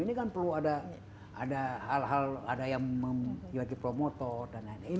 ini kan perlu ada hal hal ada yang lagi promotor dan lain lain